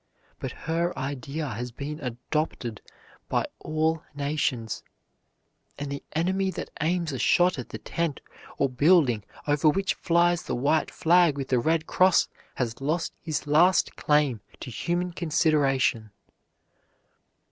But her idea has been adopted by all nations; and the enemy that aims a shot at the tent or building over which flies the white flag with the red cross has lost his last claim to human consideration.